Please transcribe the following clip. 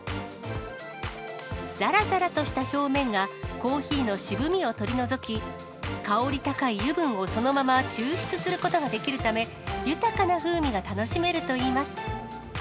ざらざらとした表面が、コーヒーの渋みを取り除き、香り高い油分をそのまま抽出することができるため、豊かな風味が楽しめるといいます。